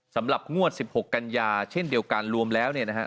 สำหรับงวด๑๖กันยาเช่นเดียวกันรวมแล้วเนี่ยนะฮะ